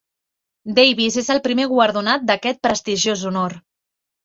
Davies és el primer guardonat d'aquest prestigiós honor.